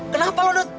kenapa lo gendut